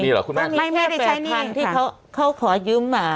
มีหรอคุณแม่ไม่ได้ใช้หนี้ที่เขาเขาขอยืมอ่ะ